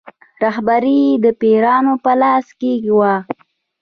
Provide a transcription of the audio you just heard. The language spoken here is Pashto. رهبري یې د پیرانو په لاس کې وه.